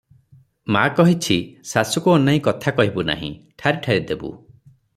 ମା କହିଛି, ଶାଶୁକୁ ଅନାଇ କଥା କହିବୁ ନାହିଁ, ଠାରି ଠାରି ଦେବୁ ।